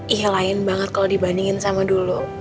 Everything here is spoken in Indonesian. iya lain banget kalau dibandingin sama dulu